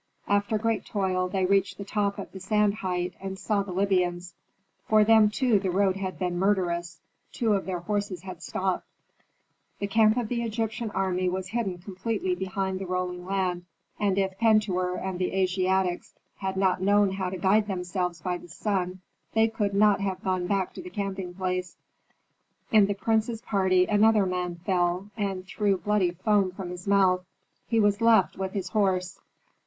After great toil they reached the top of the sand height, and saw the Libyans. For them too the road had been murderous, two of their horses had stopped. The camp of the Egyptian army was hidden completely behind the rolling land, and if Pentuer and the Asiatics had not known how to guide themselves by the sun they could not have gone back to the camping place. In the prince's party another man fell, and threw bloody foam from his mouth. He was left, with his horse.